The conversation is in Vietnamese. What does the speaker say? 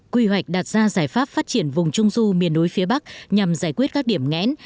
quy hoạch đặt ra giải pháp phát triển vùng trung du miền núi phía bắc nhằm giải quyết các điểm ngẽn